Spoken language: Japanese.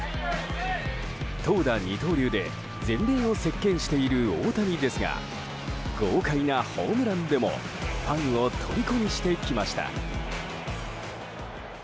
投打二刀流で全米を席巻している大谷ですが豪快なホームランでもファンをとりこにしていました。